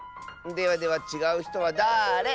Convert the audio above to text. ではでは「ちがうひとはだれ？」。